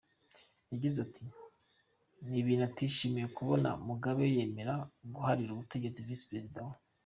Yagize ati “Ni ibintu atishimiye kubona Mugabe yemera guharira ubutegetsi visi-peresida we.